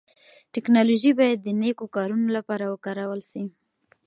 ټکنالوژي بايد د نيکو کارونو لپاره وکارول سي.